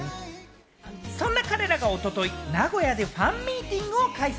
そんな彼らがおととい名古屋でファンミーティングを開催。